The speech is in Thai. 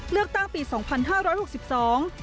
เลือกตั้งปีสองพันห้าร้อยหกสิบสอง